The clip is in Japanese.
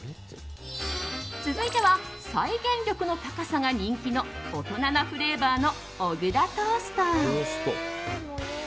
続いては再現力の高さが人気の大人なフレーバーの小倉トースト。